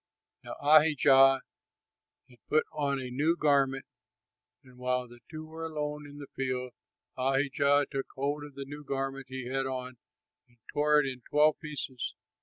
Now Ahijah had put on a new garment, and while they two were alone in the field, Ahijah took hold of the new garment he had on and tore it in twelve pieces.